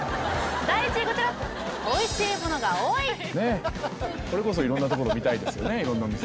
第１位こちらおいしいものが多いこれこそ色んなところ見たいですよね